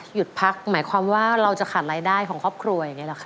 หยุดพักหมายความว่าเราจะขาดรายได้ของครอบครัวอย่างนี้หรอคะ